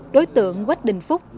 đối tượng quách đình phúc